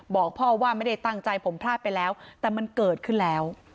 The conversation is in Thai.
บอกพ่อว่าไม่ได้ตั้งใจผมพลาดไปแล้วแต่มันเกิดขึ้นแล้ว